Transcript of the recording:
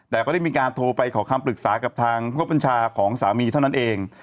แต่ก็ได้มีการโทรไปขอคำปรึกษากับทางผู้บัญชาของสามีเท่านั้นเอง